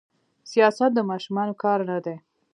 سياست د ماشومانو کار نه دي.